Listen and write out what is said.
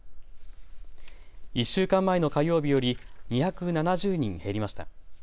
１週間前の火曜日より２７０人減りました。